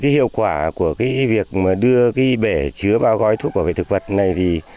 hiệu quả của việc đưa bể chứa bao gói thuốc bảo vệ thực vật này